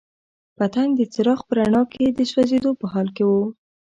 پتنګ د څراغ په رڼا کې د سوځېدو په حال کې وو.